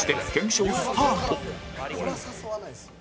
「これは誘わないですよ」